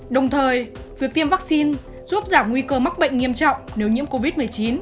đồng thời việc tiêm vaccine giúp giảm nguy cơ mắc bệnh nghiêm trọng nếu nhiễm covid một mươi chín